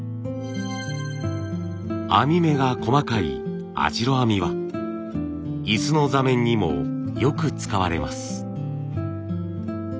網目が細かい「あじろ編み」は椅子の座面にもよく使われます。